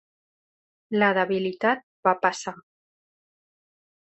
La debilitat va passar.